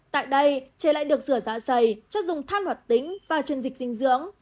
tại đây trẻ lại được rửa dạ dày cho dùng than hoạt tính và chuyên dịch dinh dưỡng